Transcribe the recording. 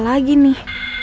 masalah apa lagi nih